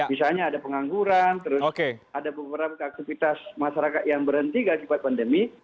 misalnya ada pengangguran terus ada beberapa aktivitas masyarakat yang berhenti akibat pandemi